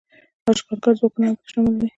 اشغالګر ځواکونه هم پکې شامل دي.